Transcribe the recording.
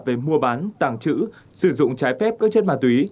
về mua bán tàng trữ sử dụng trái phép các chất ma túy